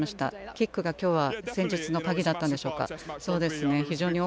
キックが今日は戦術の鍵だったんでしょうか。